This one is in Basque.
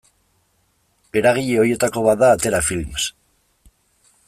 Eragile horietako bat da Atera Films.